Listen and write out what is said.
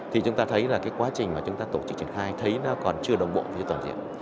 thì chúng ta thấy là quá trình mà chúng ta tổ chức triển khai thấy còn chưa đồng bộ như toàn diện